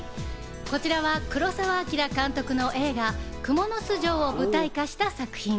こちらは黒澤明監督の映画『蜘蛛巣城』を舞台化した作品。